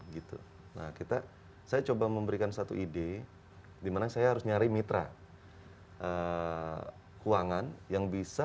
gitu nah kita saya coba memberikan satu ide dimana saya harus nyari mitra keuangan yang bisa